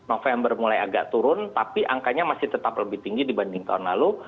november mulai agak turun tapi angkanya masih tetap lebih tinggi dibanding tahun lalu